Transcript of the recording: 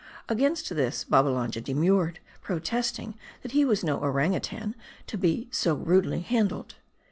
Against this, Babbalanja demurred, protesting that he was no orang outang, to be so rudely handled.